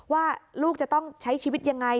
ว่าลูกจะต้องใช้ชีวิตยังไง